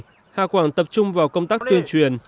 khắc phục hạn chế này hà quảng tập trung vào công tác tuyên truyền